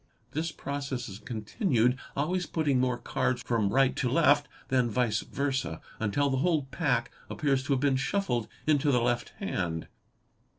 This process is continued, always putting more cards from right to left than vice versa, until the whole pack appears to have been snuffled into the left hand.